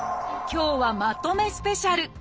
今日はまとめスペシャル。